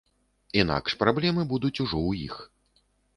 Інакш праблемы будуць ужо ў іх.